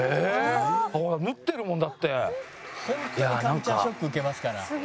「ホントにカルチャーショック受けますから」